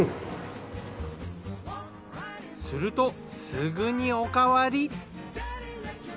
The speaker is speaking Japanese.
するとすぐにおかわり。